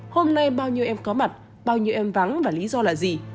hôm nay bao nhiêu em có mặt bao nhiêu em vắng và lý do là gì